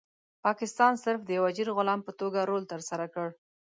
پاکستان صرف د یو اجیر غلام په توګه رول ترسره کړ.